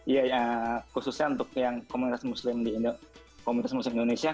iya khususnya untuk yang komunitas muslim di indonesia